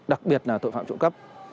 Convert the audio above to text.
đặc biệt là tội phạm trộm cấp